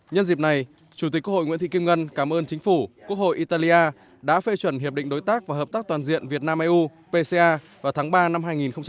nhân dịp này chủ tịch quốc hội nguyễn thị kim ngân cảm ơn chính phủ quốc hội italia đã phê chuẩn hiệp định đối tác và hợp tác toàn diện việt nam eu pca vào tháng ba năm hai nghìn hai mươi